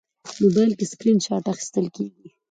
موبایل کې سکرین شات اخیستل کېږي.